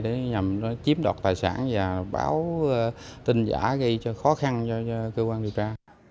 để nhằm chiếm đoạt tài sản và báo tin giả gây cho khó khăn cho cơ quan điều tra